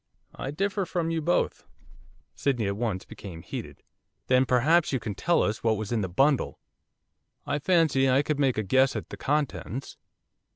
'I differ from you both.' Sydney at once became heated. 'Then perhaps you can tell us what was in the bundle?' 'I fancy I could make a guess at the contents.